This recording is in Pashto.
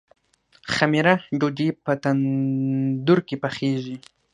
خمیره ډوډۍ په تندور کې پخیږي.